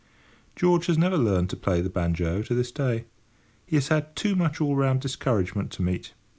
George has never learned to play the banjo to this day. He has had too much all round discouragement to meet.